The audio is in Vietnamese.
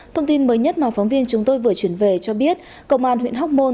thông tin mới nhất mà phóng viên chúng tôi vừa chuyển về cho biết công an huyện hóc môn